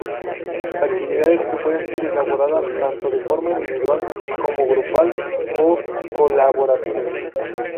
Actividades que pueden ser elaboradas tanto de forma individual como grupal o colaborativas.